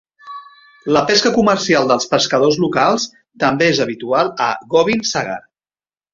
La pesca comercial dels pescadors locals també és habitual a Gobind Sagar.